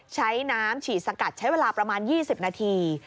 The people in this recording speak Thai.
ใช้น้ำฉีดสกัดใช้เวลาประมาณ๒๐นาที